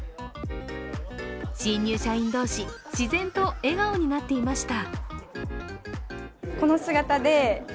新入社員同士、自然と笑顔になっていました。